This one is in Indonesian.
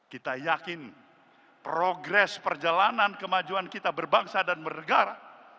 kita yakin progres perjalanan kemajuan kita berbangsa dan bernegara